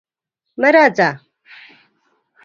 مه راځه!